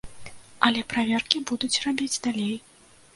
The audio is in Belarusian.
Але праверкі будуць рабіць далей.